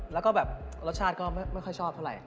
แล้วก็แบบรสชาติก็ไม่ค่อยชอบเท่าไหร